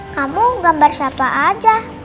kamu gambar siapa aja